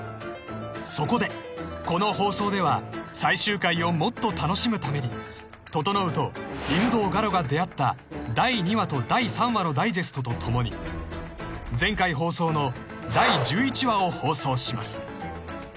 ［そこでこの放送では最終回をもっと楽しむために整と犬堂我路が出会った第２話と第３話のダイジェストとともに前回放送の第１１話を放送します］